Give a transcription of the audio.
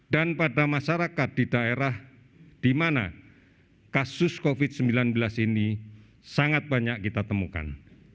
dan pada masyarakat di daerah di mana kasus covid sembilan belas ini sangat banyak kita temukan